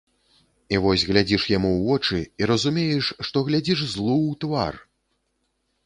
І вось глядзіш яму ў вочы, і разумееш, што глядзіш злу ў твар.